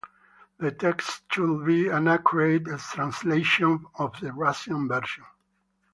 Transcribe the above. The text should be an accurate translation of the Russian version.